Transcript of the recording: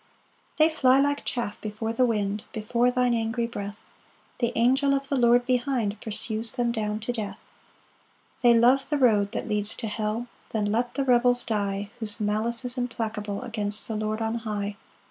5 They fly like chaff before the wind, Before thine angry breath; The angel of the Lord behind Pursues them down to death. 6 They love the road that leads to hell; Then let the rebels die Whose malice is implacable Against the Lord on high.